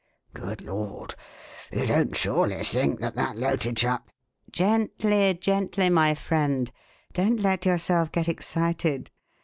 "Good Lord! you don't surely think that that Loti chap " "Gently, gently, my friend; don't let yourself get excited.